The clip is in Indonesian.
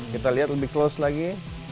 kita lihat lebih close lagi